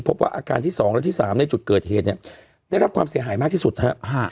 พบว่าอาการที่๒และที่๓ในจุดเกิดเหตุเนี่ยได้รับความเสียหายมากที่สุดฮะ